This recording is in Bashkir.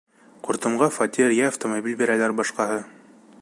Ҡуртымға фатир йә автомобиль бирәләр, башҡаһы.